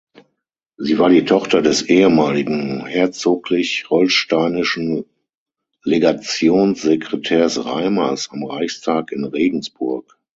Sie war die Tochter des ehemaligen herzoglich holsteinischen Legations-Sekretärs Reimers am Reichstag in Regensburg.